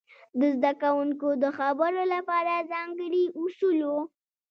د زده کوونکو د خبرو لپاره ځانګړي اصول وو.